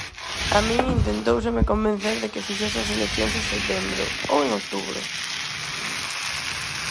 A min intentóuseme convencer de que fixese as eleccións en setembro, ¡ou en outubro!